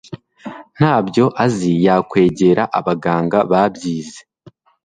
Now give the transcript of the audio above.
ntabyo azi yakwegera abaganga babyize